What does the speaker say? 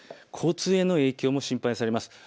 交通への影響も心配されます。